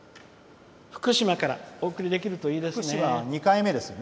福島からお送りできるといいですね。